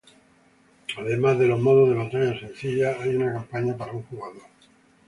Además de los modos de batalla sencilla, hay una campaña para un jugador.